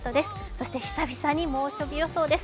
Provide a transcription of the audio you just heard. そして久々に猛暑日予想です